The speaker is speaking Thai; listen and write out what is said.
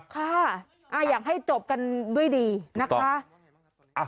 ค่ะอยากให้จบกันด้วยดีนะคะ